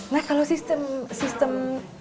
nah kalau sistem sistem